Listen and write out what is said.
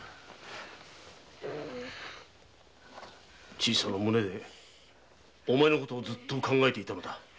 小さな胸でお前の事をずっと考えていたのだ。